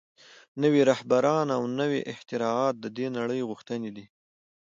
نوي رهبران او نوي اختراعات د دې نړۍ غوښتنې دي